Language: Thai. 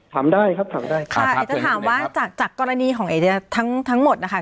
ถามได้ครับถามได้ค่ะอยากจะถามว่าจากจากกรณีของไอเดียทั้งทั้งหมดนะคะ